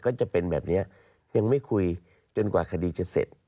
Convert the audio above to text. ก็จะเป็นแบบนี้ยังไม่คุยจนกว่าคดีจะเสร็จ